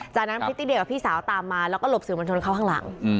จากนั้นพริตติเดียกับพี่สาวตามมาแล้วก็หลบสื่อมวลชนเข้าข้างหลัง